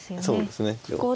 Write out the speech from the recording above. そうですね。